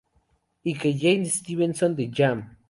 Y que Jane Stevenson de Jam!